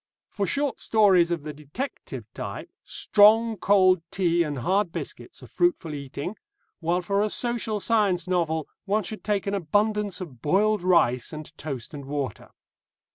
For short stories of the detective type, strong cold tea and hard biscuits are fruitful eating, while for a social science novel one should take an abundance of boiled rice and toast and water.